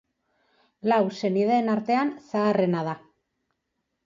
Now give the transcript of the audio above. Lau senideen artean zaharrena da.